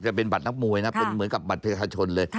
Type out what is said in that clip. จะเป็นบัตรนักมวยนะเป็นเหมือนกับบัตรประชาชนเลย